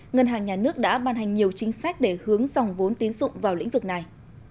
ngân hàng nhà nước đã ban hành nhiều chính sách để hướng dòng vốn tín dụng vào lĩnh vực này